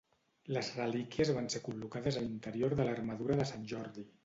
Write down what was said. Les relíquies van ser col·locades a l'interior de l'armadura de Sant Jordi.